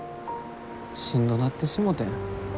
しんどなってしもてん。